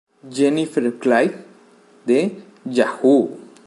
Jennifer Clay de Yahoo!